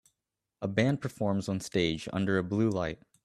A band performs on stage under a blue light